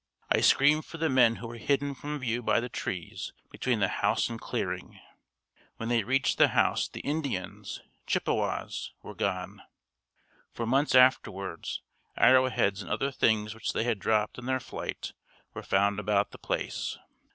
I screamed for the men who were hidden from view by the trees between the house and clearing. When they reached the house the Indians Chippewas, were gone. For months afterwards arrow heads and other things which they had dropped in their flight were found about the place.